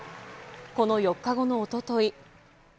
この４日後のおととい。